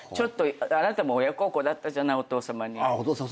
あなたも親孝行だったじゃないお父さまに。